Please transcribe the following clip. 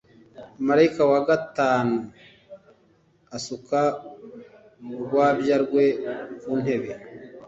Marayika wa gatanu asuka urwabya rwe ku ntebe